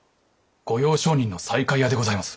御用商人の西海屋でございます。